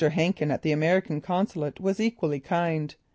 Henken at the American consulate was equally kind.